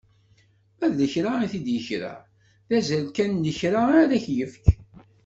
Ma d lekra i t-id-ikra, d azal kan n lekra ara yefk.